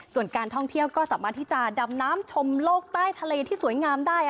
ส่วนการท่องเที่ยวก็สามารถที่จะดำน้ำชมโลกใต้ทะเลที่สวยงามได้